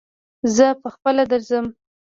زه په خپله درځم